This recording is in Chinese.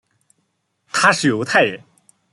他是犹太人。